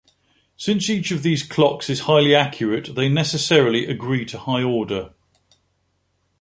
Since each of these clocks is highly accurate, they necessarily agree to high order.